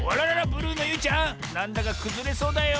ブルーのゆいちゃんなんだかくずれそうだよ。